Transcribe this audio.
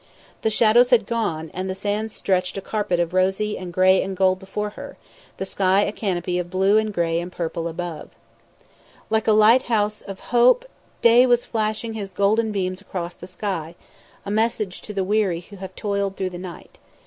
The shadows had gone, and the sands stretched a carpet of rose and grey and gold before her; the sky a canopy of blue and grey and purple above. Like a lighthouse of Hope, Day was flashing his golden beams across the sky, a message to the weary who have toiled through the night.